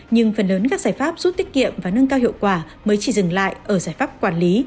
nhưng phần lớn các giải pháp giúp tiết kiệm và nâng cao hiệu quả mới chỉ dừng lại ở giải pháp quản lý